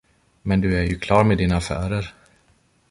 Men du är ju klar med dina affärer.